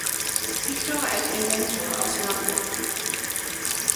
Pictor et Inventor aus Nabburg“.